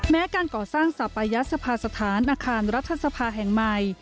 แม้การก่อสร้างสัปยสภาสถานอาคารรัฐสภาแห่งใหม่